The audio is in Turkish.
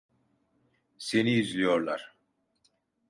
Seni izliyorlar.